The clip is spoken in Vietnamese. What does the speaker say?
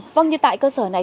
vâng như tại cơ sở này